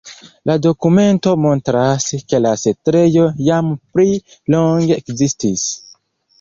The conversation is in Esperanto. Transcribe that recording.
La dokumento montras, ke la setlejo jam pli longe ekzistis.